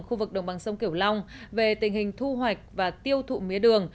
khu vực đồng bằng sông kiểu long về tình hình thu hoạch và tiêu thụ mía đường